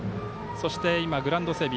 そして今、グラウンド整備。